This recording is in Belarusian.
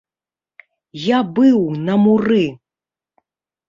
Я быў на муры!